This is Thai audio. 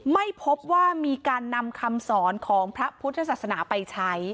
ไม่พบว่ามีการนำคำสอนของพระพุทธศาสนาไปใช้